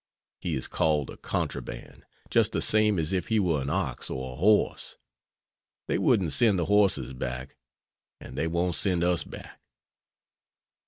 He is called a contraband, just the same as if he were an ox or a horse. They wouldn't send the horses back, and they won't send us back."